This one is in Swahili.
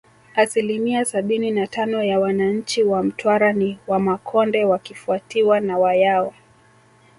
Asilimia sabini na tano ya wananchi wa Mtwara ni Wamakonde wakifuatiwa na Wayao